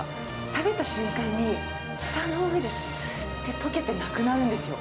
食べた瞬間に、舌の上ですってとけてなくなるんですよ。